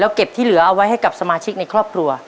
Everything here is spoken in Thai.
เก็บที่เหลือเอาไว้ให้กับสมาชิกในครอบครัว